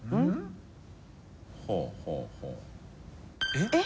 えっ！？